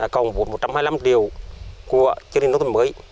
cộng vốn một trăm hai mươi năm triệu của chương trình nông dân mới